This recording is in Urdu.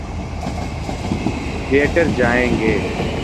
تھیٹر جائیں گے۔